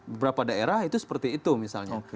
beberapa daerah itu seperti itu misalnya